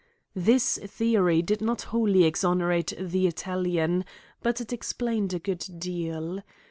This theory did not wholly exonerate the Italian, but it explained a good deal.